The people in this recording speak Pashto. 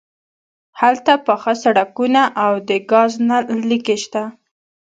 هلته پاخه سړکونه او د ګاز نل لیکې شته